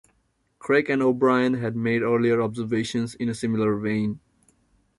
Craik and O'Brien had made earlier observations in a similar vein.